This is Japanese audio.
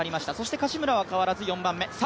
柏村は変わらず４番目。